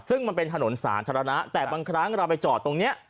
ซึ่งมันเป็นถนนสาธารณะแต่บางครั้งเราไปจอดตรงนี้